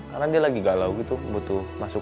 karena dia lagi galau gitu butuh masukan